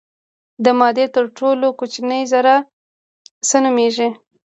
د مادې تر ټولو کوچنۍ ذره څه نومیږي.